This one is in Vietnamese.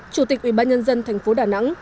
chủ tịch ubnd thành phố đà nẵng